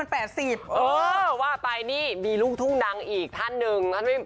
พ่อพ่อปั๊บเลยวันนี้เขามาไม่เจ็มโอ้